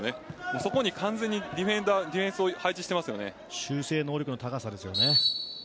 そこに完全にディフェンスを修正能力の高さですよね。